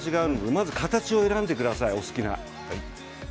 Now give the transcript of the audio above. まず形を選んでください。